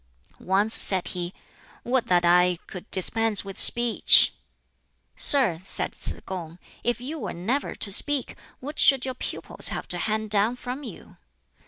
Once said he, "Would that I could dispense with speech!" "Sir," said Tsz kung, "if you were never to speak, what should your pupils have to hand down from you?"